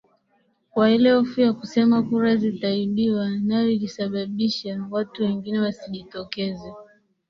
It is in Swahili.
kwa ile hofu ya kusema kura zitaimbiwa nayo ilisababisha watu wengine wasijitokeze